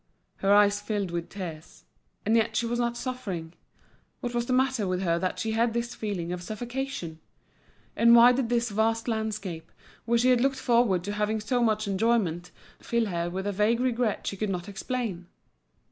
Her eyes filled with tears. And yet she was not suffering. What was the matter with her that she had this feeling of suffocation? and why did this vast landscape, where she had looked forward to having so much enjoyment, fill her with a vague regret she could not explain?